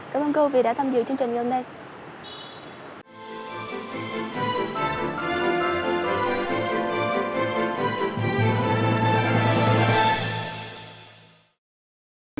cảm ơn cô vì đã tham dự chương trình ngày hôm nay